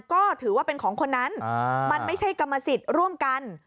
ก็ถือว่าเป็นของคนนั้นมันไม่ใช่กรรมสิทธิ์ร่วมกัน